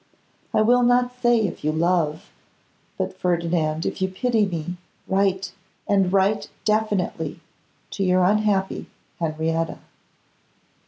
I will not say if you love; but, Ferdinand, if you pity me, write, and write definitely, to your unhappy Henrietta.